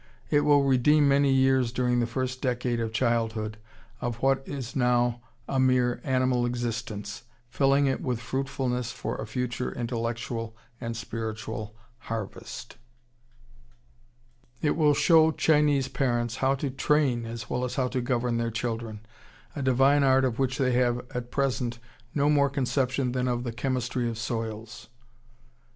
It will redeem many years during the first decade of childhood, of what is now a mere animal existence, filling it with fruitfulness for a future intellectual and spiritual harvest. It will show Chinese parents how to train as well as how to govern their children a divine art of which they have at present no more conception than of the chemistry of soils. (Dr.